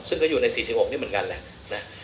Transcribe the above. ซึ่งก็อยู่ใน๔๖นี้เหมือนกัน